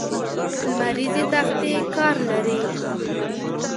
لمریزې تختې کار لري.